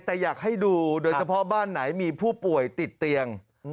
แต่อยากให้ดูโดยเฉพาะบ้านไหนมีผู้ป่วยติดเตียง